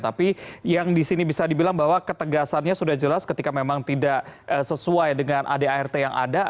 tapi yang di sini bisa dibilang bahwa ketegasannya sudah jelas ketika memang tidak sesuai dengan adart yang ada